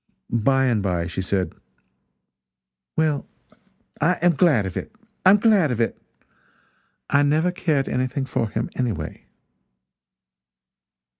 By and by she said: "Well, I am glad of it I'm glad of it. I never cared anything for him anyway!"